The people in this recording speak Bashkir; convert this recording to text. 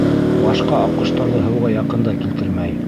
Башҡа аҡҡоштарҙы һыуға яҡын да килтермәй.